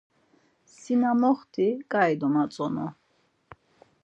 Si na moxti ǩai domatzonu.